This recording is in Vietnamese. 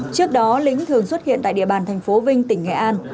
trước đó lĩnh thường xuất hiện tại địa bàn thành phố vinh tỉnh nghệ an